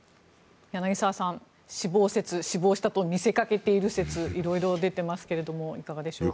柳澤さん、死亡説死亡していると見せかけている説いろいろ出てますけれどもいかがでしょうか。